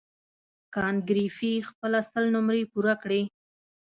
کانت ګریفي خپله سل نمرې پوره کړې.